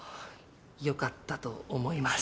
良かったと思います。